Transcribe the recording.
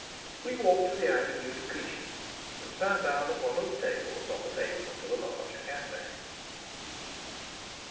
We walked to the Avenue de Clichy, and sat down at one of the tables on the pavement of a large cafe.